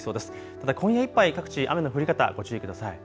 ただ今夜いっぱい各地、雨の降り方、ご注意ください。